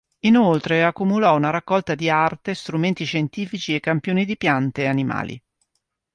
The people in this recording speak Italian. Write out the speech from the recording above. Inoltre accumulò una raccolta di arte, strumenti scientifici e campioni di piante e animali.